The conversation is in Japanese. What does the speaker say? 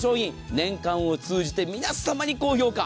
年間を通じて皆さまに高評価。